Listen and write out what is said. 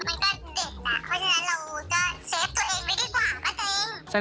เพราะฉะนั้นเราจะเชฟตัวเองไว้ดีกว่าแป๊บเอง